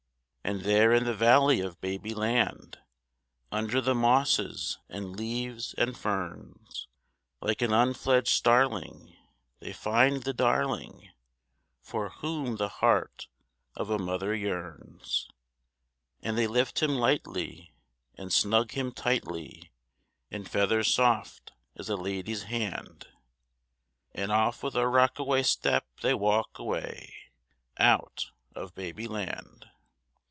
And there in the Valley of Babyland, Under the mosses and leaves and ferns, Like an unfledged starling, they find the darling, For whom the heart of a mother yearns; And they lift him lightly, and snug him tightly In feathers soft as a lady's hand; And off with a rockaway step they walk away Out of Babyland.